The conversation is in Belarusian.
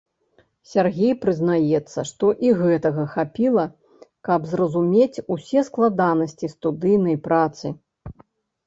Сяргей прызнаецца, што і гэтага хапіла, каб зразумець усе складанасці студыйнай працы.